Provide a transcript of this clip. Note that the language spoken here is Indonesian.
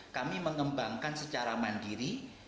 kami mengembangkan secara mandiri